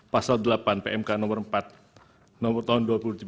pasal delapan pmk nomor empat nomor tahun dua ribu dua puluh tiga